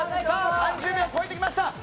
さあ、３０秒を超えてきました。